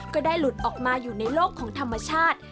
ก็ได้หลุดออกมาอยู่ในโลกของธรรมชาติ